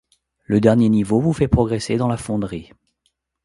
Le dernier niveau vous fait progresser dans la fonderie.